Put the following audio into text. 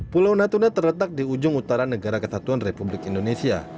pulau natuna terletak di ujung utara negara kesatuan republik indonesia